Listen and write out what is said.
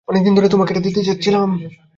অনেকদিন ধরে তোমাকে এটা দিতে চাচ্ছিলাম।